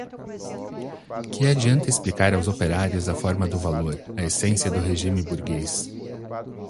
que adianta explicar aos operários a forma do valor, a essência do regime burguês